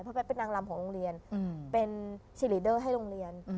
เพราะแป๊กเป็นนางลำของโรงเรียนเป็นซีรีเดอร์ให้โรงเรียน